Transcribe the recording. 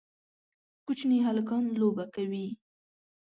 کوچني هلکان لوبه کوي